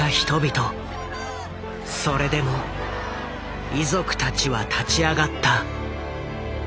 それでも遺族たちは立ち上がった。